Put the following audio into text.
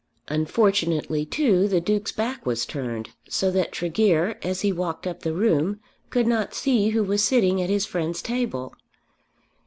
Unfortunately too the Duke's back was turned, so that Tregear, as he walked up the room, could not see who was sitting at his friend's table.